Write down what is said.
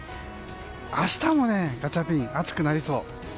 明日もガチャピン、暑くなりそう。